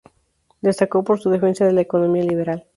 Destacó por su defensa de la economía liberal.